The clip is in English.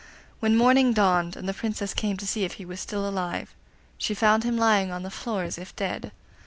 When morning dawned, and the Princess came to see if he was still alive, she found him lying on the floor as if dead.